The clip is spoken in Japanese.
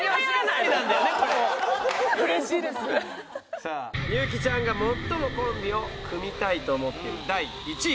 さあ幸ちゃんが最もコンビを組みたいと思ってる第１位。